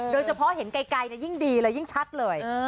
โดยเฉพาะเห็นไกลยิ่งดีเลยยิ่งชัดเลย